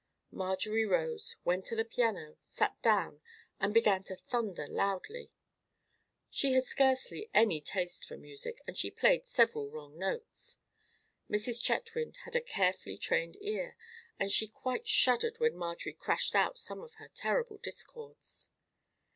Marjorie rose, went to the piano, sat down, and began to thunder loudly. She had scarcely any taste for music, and she played several wrong notes. Mrs. Chetwynd had a carefully trained ear, and she quite shuddered when Marjorie crashed out some of her terrible discords.